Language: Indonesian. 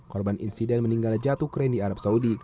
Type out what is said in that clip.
korban insiden meninggal jatuh keren di arab saudi